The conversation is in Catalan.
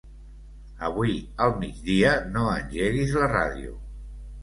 Avui al migdia no engeguis la ràdio.